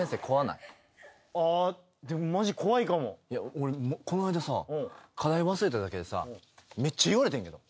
俺こないださ課題忘れただけでさめっちゃ言われてんけど。